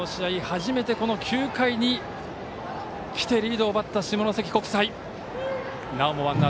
初めてこの９回にきてリードを奪った下関国際。